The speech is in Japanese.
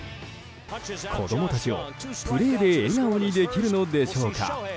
子供たちをプレーで笑顔にできるのでしょうか。